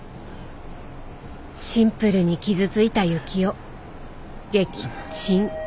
シンプルに傷ついた幸男撃沈。